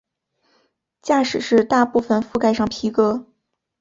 驾驶室大部份覆盖上皮革。